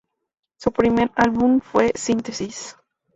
Su primer álbum fue Synthesis.